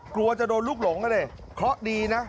กลัวจะโดนลูกหลงก็ได้เค้าดีนะ